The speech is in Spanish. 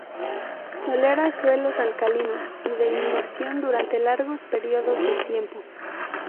Tolera suelos alcalinos y de inmersión durante largos períodos de tiempo.